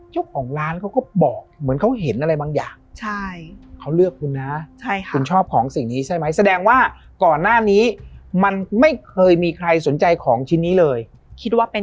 ใช่เขาเลือกคุณน่ะใช่ค่ะคนชอบของสิ่งนี้ใช่ไหมแสดงว่าก่อนหน้านี้มันไม่เคยมีใครสนใจของชิ้นนี้เลยคิดว่าเป็น